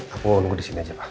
aku mau nunggu di sini aja pa